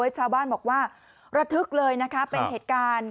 ชาวบ้านบอกว่าระทึกเลยนะคะเป็นเหตุการณ์